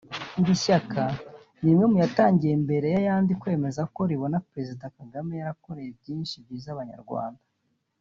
Iri shyaka ni rimwe mu yatangiye mbere y’ayandi kwemeza ko ribona Perezida Kagame yarakoreye byinshi byiza Abanyarwanda